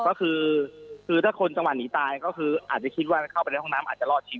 ก็คือคือถ้าคนจังหวัดหนีตายก็คืออาจจะคิดว่าเข้าไปในห้องน้ำอาจจะรอดชีวิต